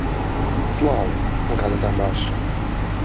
Baker was born in Elkhart, Kansas.